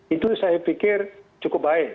itu saya pikir cukup baik